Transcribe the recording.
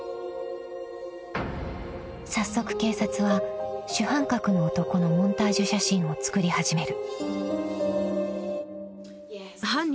［早速警察は主犯格の男のモンタージュ写真を作り始める］